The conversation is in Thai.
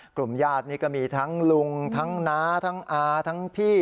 กลุ่มญาตินี่ก็มีทั้งลุงทั้งน้าทั้งอาทั้งพี่